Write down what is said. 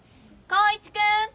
光一くん！